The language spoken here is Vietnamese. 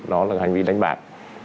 đó là hành vi đánh bạc